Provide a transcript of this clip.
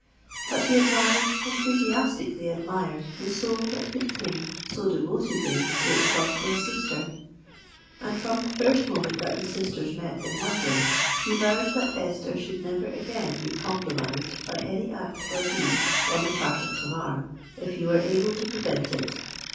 But he admired—enthusiastically admired the soul that could cling so devotedly to its love for a sister; and from the first moment that the sisters met in London, he vowed that Esther should never again be compromised by any act or deed on the part of Tamar, if he were able to prevent it.